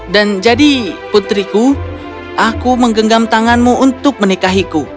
dan jadi putriku aku menggenggam tanganmu untuk menikahiku